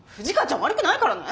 悪くないからね。